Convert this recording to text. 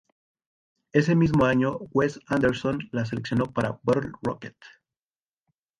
Ese mismo año Wes Anderson la seleccionó para "Bottle Rocket".